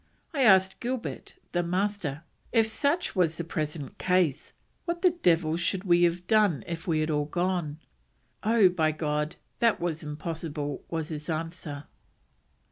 I asked Gilbert [the Master], if such was the present case, what the devil should we have done if we had all gone? 'Oh, by God, that was impossible,' was his answer."